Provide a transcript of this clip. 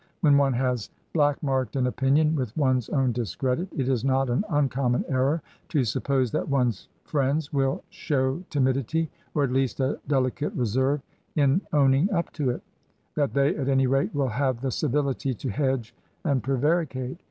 When one has black marked an opinion with one's own discredit, it is not an uncommon error to suppose that one's friends will show timidity, or at least a delicate reserve, in owning up to it — that they at any rate will have the civility to hedge and prevaricate.